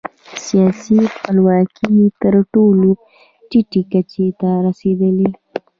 سیاسي خپلواکي یې تر ټولو ټیټې کچې ته رسېدلې.